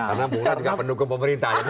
karena bukan juga pendukung pemerintah